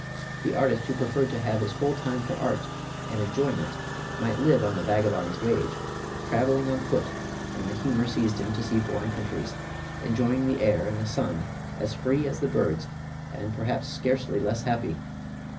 The artist who preferred to have his whole time for art and enjoyment might live on the ``vagabond's wage'' traveling on foot when the humor seized him to see foreign countries, enjoying the air and the sun, as free as the birds, and perhaps scarcely less happy.